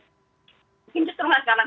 mungkin justru lah sekarang sekarang